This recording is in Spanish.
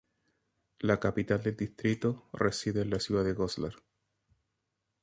La capital del distrito reside en la ciudad de Goslar.